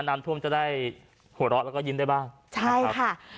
น้ำท่วมจะได้หัวเราะแล้วก็ยิ้มได้บ้างใช่ครับค่ะ